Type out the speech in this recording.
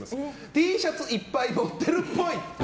Ｔシャツいっぱい持ってるっぽい。